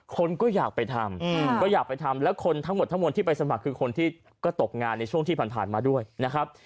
คนก็อยากไปทำก็อยากไปทำแล้วคนทั้งหมดทั้งมวลที่ไปสมัครคือคนที่ก็ตกงานในช่วงที่ผ่านมาด้วยนะครับ